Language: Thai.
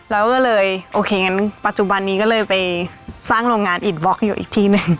เราก็เลยโอเคงั้นปัจจุบันนี้ก็เลยไปสร้างโรงงานอิดบล็อกอยู่อีกที่หนึ่ง